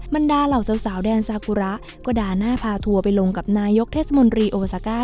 บรรดาเหล่าสาวแดนซากุระก็ด่าหน้าพาทัวร์ไปลงกับนายกเทศมนตรีโอซาก้า